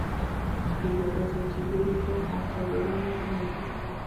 Vivió desde el Silúrico hasta el Devónico Medio.